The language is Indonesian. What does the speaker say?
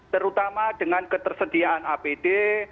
terutama dengan ketersediaan apd